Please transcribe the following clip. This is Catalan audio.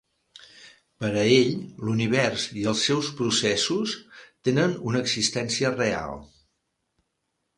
Per a ell, l'univers i els seus processos tenen una existència real.